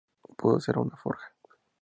Pudo ser una forja.